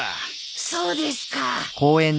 そうですか。